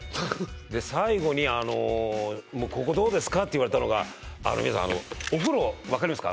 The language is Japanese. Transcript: で最後に「ここどうですか？」って言われたのが皆さんお風呂分かりますか？